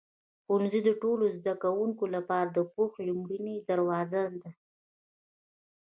ښوونځی د ټولو زده کوونکو لپاره د پوهې لومړنی دروازه دی.